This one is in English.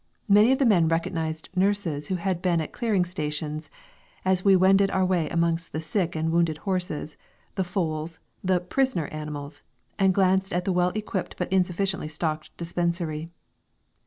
Many of the men recognised nurses who had been at clearing stations, as we wended our way amongst the sick and wounded horses, the foals, the "prisoner" animals, and glanced at the well equipped but insufficiently stocked dispensary.